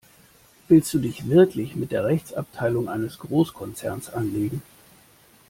Willst du dich wirklich mit der Rechtsabteilung eines Großkonzerns anlegen?